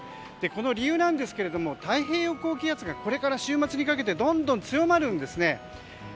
この理由ですが太平洋高気圧がこれから週末にかけてどんどん強まるんですね。